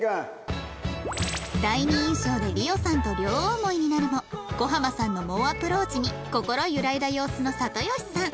第二印象で莉桜さんと両思いになるも小浜さんの猛アプローチに心揺らいだ様子の里吉さん